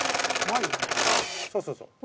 そうそうそう。